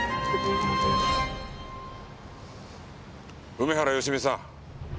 梅原芳美さん。